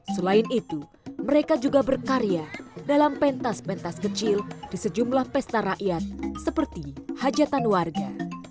selain itu mereka juga berkarya dalam pentas pentas kecil di sejumlah pesta rakyat seperti hajatan warga